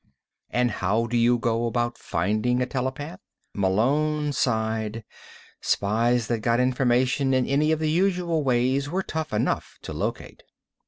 And how do you go about finding a telepath? Malone sighed. Spies that got information in any of the usual ways were tough enough to locate.